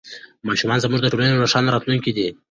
ماشومان زموږ د ټولنې روښانه راتلونکی دی.